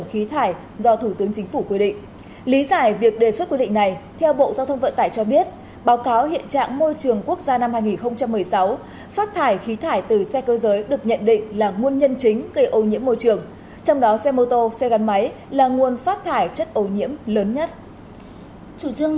khí thải từ phương tiện giao thông được nhận định là nguyên nhân chính gây ra ô nhiễm môi trường